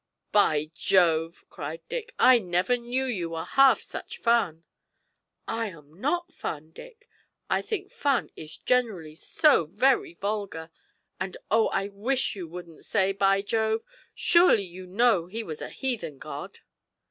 'By Jove!' cried Dick, 'I never knew you were half such fun!' 'I am not fun, Dick. I think fun is generally so very vulgar, and oh, I wish you wouldn't say "by Jove!" Surely you know he was a heathen god!'